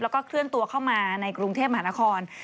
แล้วก็เคลื่อนตัวเข้ามาในกรุงเทพมหานคร